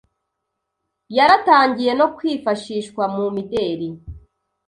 yaratangiye no kwifashishwa mu mideli